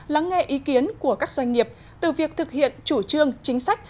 lắng nghe ý kiến của các doanh nghiệp từ việc thực hiện chủ trương chính sách